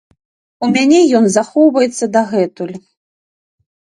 У мяне ён захоўваецца дагэтуль.